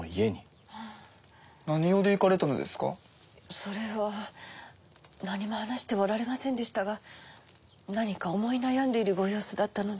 それは何も話してはおられませんでしたが何か思い悩んでいるご様子だったので。